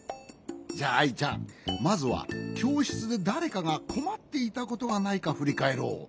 じゃあアイちゃんまずはきょうしつでだれかがこまっていたことがないかふりかえろう。